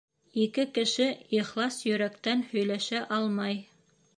Ике кеше ихлас йөрәктән һөйләшә алмай.